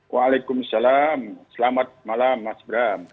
waalaikumsalam selamat malam mas bram